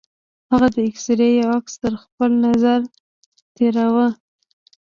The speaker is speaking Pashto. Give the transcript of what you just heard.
هغه د اکسرې يو عکس تر خپل نظره تېراوه.